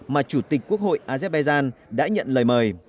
mà chủ tịch quốc hội azerbaijan đã nhận lời mời